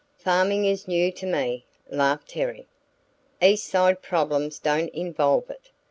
"Farming is new to me," laughed Terry. "East Side problems don't involve it.